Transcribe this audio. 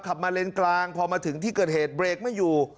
ขับมาเลนกลางพอมาถึงที่เกิดเหตุเบรกไม่อยู่